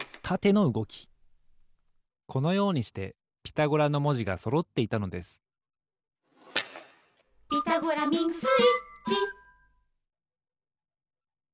このようにしてピタゴラのもじがそろっていたのです「ピタゴラミングスイッチ」